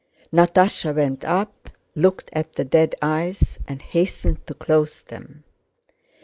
Natásha went up, looked at the dead eyes, and hastened to close them.